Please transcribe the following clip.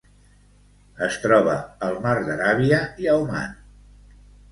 Es troba al Mar d'Aràbia i a Oman.